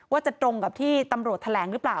ว่าจะตรงกับที่ตำรวจแถลงหรือเปล่า